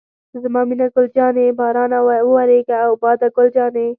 زما مینه ګل جانې، بارانه وورېږه او باده ګل جانې.